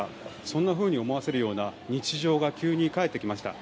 そんなふうに思わせるような日常が急に帰ってきました。